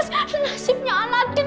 terus nasibnya anadil